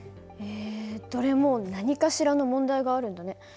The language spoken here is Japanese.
えどれも何かしらの問題があるんだね。